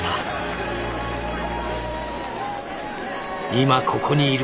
「今ここにいる」。